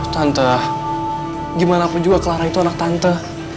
tante gimana pun juga kelarang itu anak tante